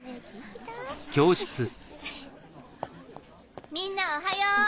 ・・フフフ・みんなおはよう。